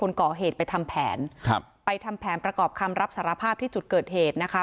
คนก่อเหตุไปทำแผนครับไปทำแผนประกอบคำรับสารภาพที่จุดเกิดเหตุนะคะ